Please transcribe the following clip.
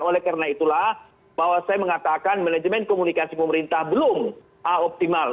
oleh karena itulah bahwa saya mengatakan manajemen komunikasi pemerintah belum optimal